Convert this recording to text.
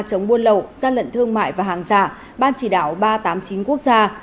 chống buôn lậu gian lận thương mại và hàng giả ban chỉ đạo ba trăm tám mươi chín quốc gia